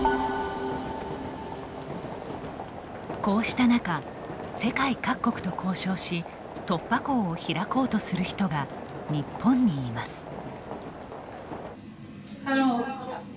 こうした中、世界各国と交渉し突破口を開こうとする人が日本にいます。